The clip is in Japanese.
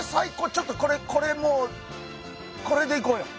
ちょっとこれこれもうこれでいこうよ！